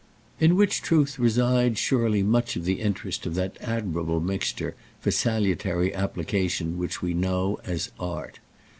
In which truth resides surely much of the interest of that admirable mixture for salutary application which we know as art.